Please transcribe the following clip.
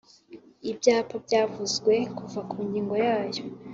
Ibyapa byavuzwe kuva ku ngingo yayo